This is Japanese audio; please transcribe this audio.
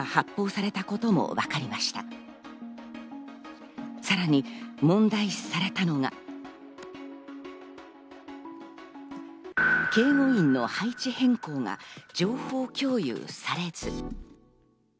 さらに問題視されたのが、警護員の配置変更が情報共有されず。